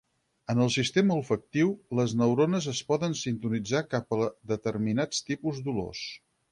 En el sistema olfactiu, les neurones es poden sintonitzar cap a determinats tipus d'olors.